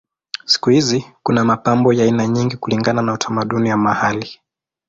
Siku hizi kuna mapambo ya aina nyingi kulingana na utamaduni wa mahali.